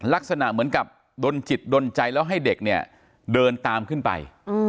ลักษณะเหมือนกับดนจิตดนใจแล้วให้เด็กเนี่ยเดินตามขึ้นไป